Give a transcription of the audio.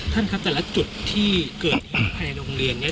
ท่านครับแต่ละจุดที่เกิดเหตุภายในโรงเรียนเนี่ย